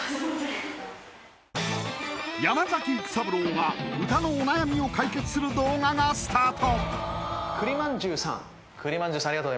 山崎育三郎が歌のお悩みを解決する動画がスタート！